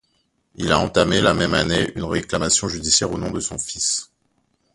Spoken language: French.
Il a entamé, la même année, une réclamation judiciaire au nom de son fils.